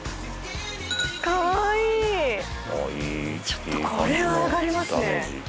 ちょっとこれはアガりますね